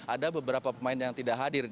ada beberapa pemain yang tidak hadir